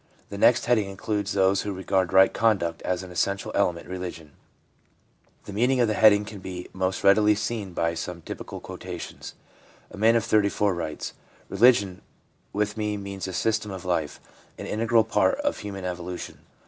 The next heading includes those who regard right conduct as an essential element in religion. The meaning of the heading can be most readily seen by some typical quotations. A man of 34 writes :' Religion with me means a system of life, an integral part of human evolution.